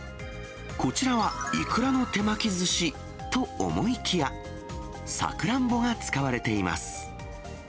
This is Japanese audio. こちらは、いくらの手巻きずしと思いきや、さくらんぼが使われています。